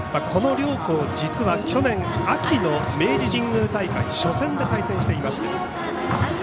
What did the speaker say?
この両校、実は去年秋の明治神宮大会初戦で対戦していまして。